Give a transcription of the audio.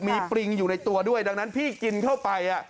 มีปริงอยู่ในตัวด้วยดังนั้นพี่กินเข้าไป